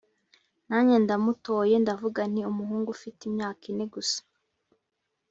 nanjye ndamutoye ndavuga nti umuhungu ufite imyaka ine gusa